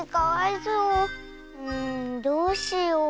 うんどうしよう。